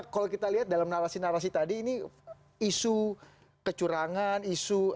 kalau kita lihat dalam narasi narasi tadi ini isu kecurangan isu